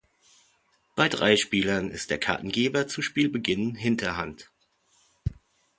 Bei drei Spielern ist der Kartengeber zu Spielbeginn Hinterhand.